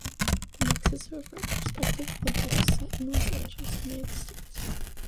The mix is a retrospective look at a set in Los Angeles, United States.